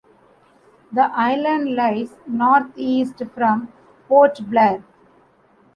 The island lies northeast from Port Blair.